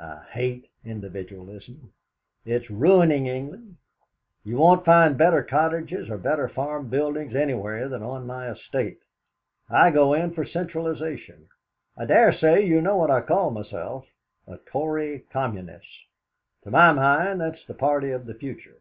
I hate individualism; it's ruining England. You won't find better cottages, or better farm buildings anywhere than on my estate. I go in for centralisation. I dare say you know what I call myself a 'Tory Communist.' To my mind, that's the party of the future.